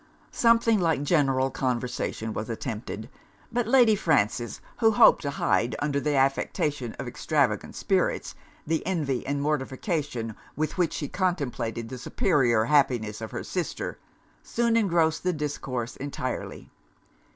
Something like general conversation was attempted. But Lady Frances, who hoped to hide, under the affectation of extravagant spirits, the envy and mortification with which she contemplated the superior happiness of her sister, soon engrossed the discourse entirely.